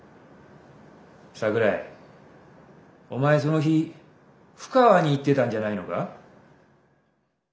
桜井お前その日布川に行ってたんじゃないのか？